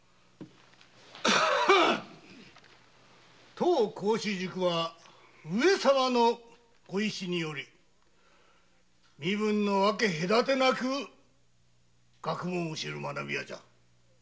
当孔子塾は上様のご意志により身分の分け隔てなく学問を教える学舎じゃ。